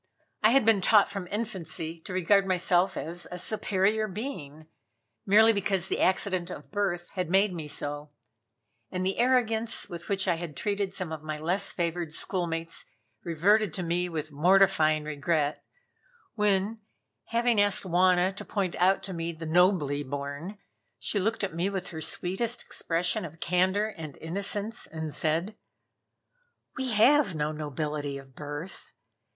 I had been taught from infancy to regard myself as a superior being, merely because the accident of birth had made me so, and the arrogance with which I had treated some of my less favored schoolmates reverted to me with mortifying regret, when, having asked Wauna to point out to me the nobly born, she looked at me with her sweet expression of candor and innocence and said: "We have no nobility of birth.